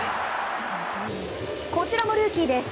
こちらもルーキーです。